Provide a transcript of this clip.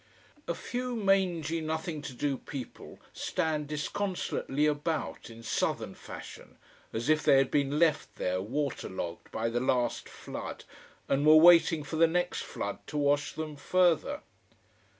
A few mangy, nothing to do people stand disconsolately about, in southern fashion, as if they had been left there, water logged, by the last flood, and were waiting for the next flood to wash them further.